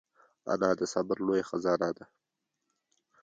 انا د صبر لویه خزانه ده